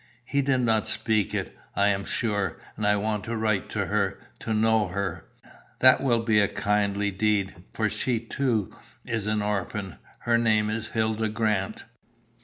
He did not speak it, I am sure, and I want to write to her, to know her." "That will be a kindly deed, for she, too, is an orphan. Her name is Hilda Grant."